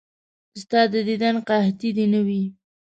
ستا د دیدن قحطي دې نه وي.